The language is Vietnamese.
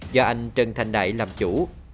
do anh trần thành đại làm chủ